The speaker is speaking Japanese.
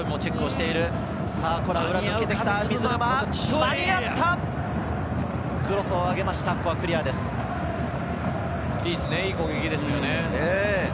いい攻撃ですよね。